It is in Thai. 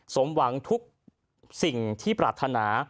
สมหวังทุกสิ่งที่ปรารถนา